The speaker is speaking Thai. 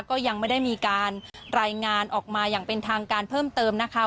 ก็ยังไม่ได้มีการรายงานออกมาอย่างเป็นทางการเพิ่มเติมนะคะ